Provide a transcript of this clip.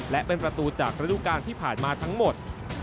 และเป็นประตูจากฤดูการที่ผ่านมาทั้งหมด